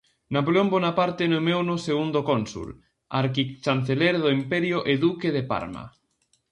Napoleón Bonaparte nomeouno segundo cónsul, arquichanceler do Imperio e duque de Parma.